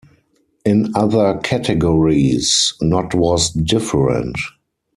In other categories not was different.